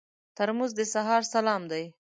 ترموز د سهار سلام دی.